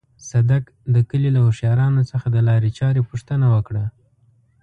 صدک د کلي له هوښيارانو څخه د لارې چارې پوښتنه وکړه.